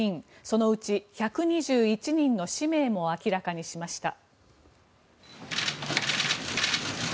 そのうち１２１人の氏名も明らかにしました。